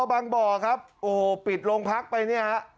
สพบางบ่อครับปิดลงพักไปนี่ครับ